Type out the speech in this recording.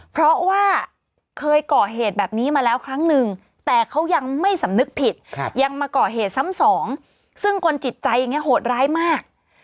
เพราะว่าเคยก่อเหตุแบบนี้มาแล้วครั้งนึงแต่เขายังไม่สำนึกผิดยังมาก่อเหตุซ้ำสองซึ่งคนจิตใจอย่างนี้โหดร้ายมาก